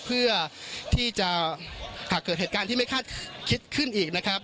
เพื่อที่จะหากเกิดเหตุการณ์ที่ไม่คาดคิดขึ้นอีกนะครับ